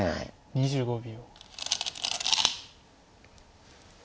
２５秒。